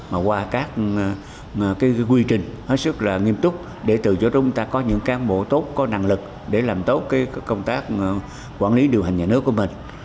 mà qua các quy trình hết sức là nghiêm túc để từ chỗ chúng ta có những cán bộ tốt có năng lực để làm tốt cái công tác quản lý điều hành nhà nước của mình